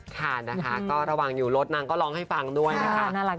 ค่ะนะคะก็ระหว่างอยู่รถนางก็ร้องให้ฟังด้วยนะคะ